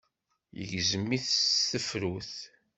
Yegzem-it s tefrut.